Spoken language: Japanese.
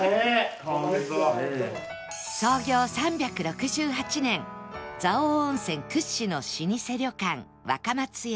創業３６８年蔵王温泉屈指の老舗旅館わかまつや